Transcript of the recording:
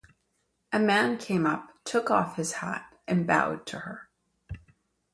A man came up, took off his hat, and bowed to her.